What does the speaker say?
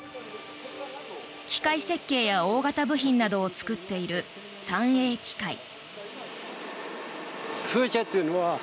機械設計や大型部品などを作っている三栄機械。